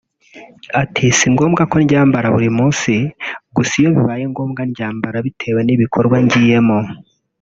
ati ”Si ngombwa ko ndyambara buri munsi gusa iyo bibaye ngombwa ndaryambara bitewe n’ibikorwa ngiyemo